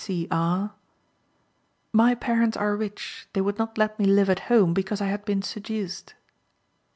C. R.: "My parents are rich. They would not let me live at home, because I had been seduced."